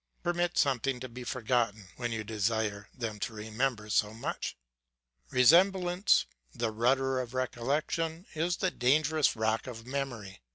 " Permit something to be forgotten, when you desire them to remember so much. Resemblance, the rudder of recollection, is the danger ous rock of memory.